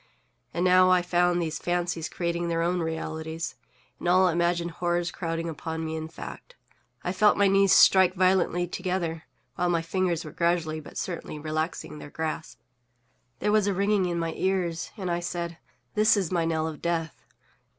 And now I found these fancies creating their own realities, and all imagined horrors crowding upon me in fact. I felt my knees strike violently together, while my fingers were gradually but certainly relaxing their grasp. There was a ringing in my ears, and I said, "This is my knell of death!"